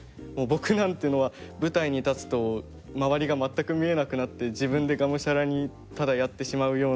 僕なんていうのは舞台に立つと周りが全く見えなくなって自分でがむしゃらにただやってしまうような人でして。